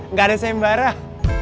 gak ada sayembaran